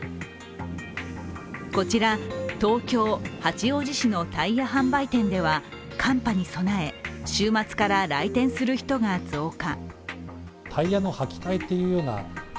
こちら東京・八王子市のタイヤ販売店では寒波に備え、週末から来店する人が増加。